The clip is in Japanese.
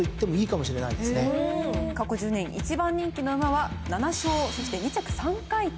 過去１０年１番人気の馬は７勝そして２着３回と。